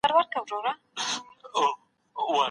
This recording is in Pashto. که ته غواړې لوګو ولګوې نو د سکرین په کونج کي یې کېږده.